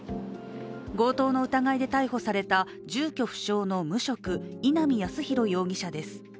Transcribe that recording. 強盗の疑いで逮捕された住居不詳の無職、稲見康博容疑者です。